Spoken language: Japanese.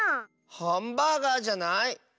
ハンバーガーじゃない？